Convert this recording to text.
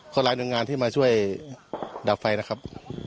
แล้วก็ไปทำงานที่มาช่วยดับไฟนะครับ